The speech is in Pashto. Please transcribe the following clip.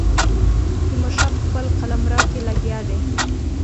تیمور شاه په خپل قلمرو کې لګیا دی.